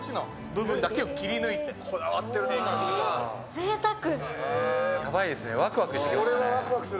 ぜいたく。